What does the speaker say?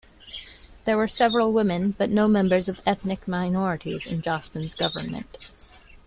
There were several women but no members of ethnic minorities in Jospin's government.